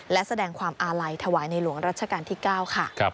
และแสดงความอาลัยถวายในหลวงรัชกาลที่๙ค่ะ